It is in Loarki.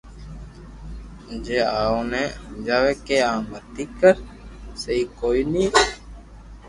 جي اوني ھمجاوي ڪي آ متي ڪر سھي ڪوئي ني ث